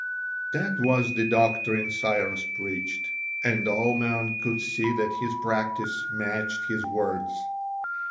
That was the doctrine Cyrus preached, and all men could see that his practice matched his words.